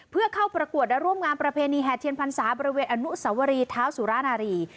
เพื่อเข้าประกวดและร่วมงานประเพณีแห่เทียนพรรษาบริเวณอนุสวรีเท้าสุรานารี